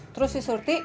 terus si surti